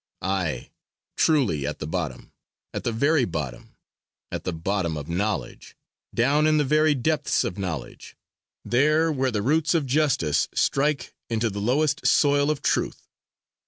Aye! truly at the bottom, at the very bottom; at the bottom of knowledge, down in the very depths of knowledge there where the roots of justice strike into the lowest soil of Truth.